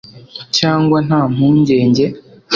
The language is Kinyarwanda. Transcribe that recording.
cyangwa, nta mpungenge